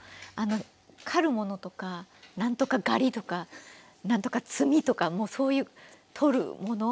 刈るものとか何とか狩りとか何とか摘みとかもうそういう取るもの？